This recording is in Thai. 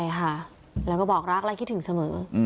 ใช่ค่ะแล้วก็บอกรักและคิดถึงเสมอ